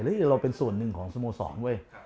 เราเป็นส่วนหนึ่งของสโมสรเว้ย